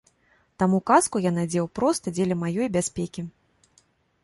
Таму каску я надзеў проста дзеля маёй бяспекі.